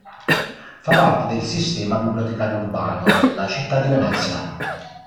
Fa parte del Sistema Bibliotecario Urbano della città di Venezia.